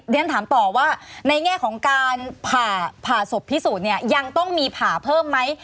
เรียนถามต่อว่าในแง่ของการผ่าศพพิสูจน์เนี่ยยังต้องมีผ่าเพิ่มไหม